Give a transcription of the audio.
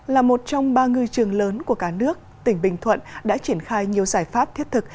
là một trong ba ngư trường lớn của cả nước tỉnh bình thuận đã triển khai nhiều giải pháp thiết thực